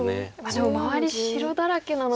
でも周り白だらけなので。